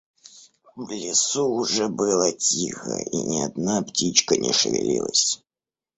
В лесу уже было тихо, и ни одна птичка не шевелилась.